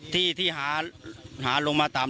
ก็จะมีบาง